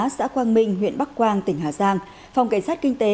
xã quang minh huyện bắc quang tỉnh hà giang phòng cảnh sát kinh tế